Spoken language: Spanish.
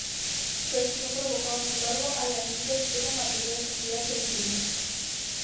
Su decisión provocó un embargo a la India de todo material nuclear sensible.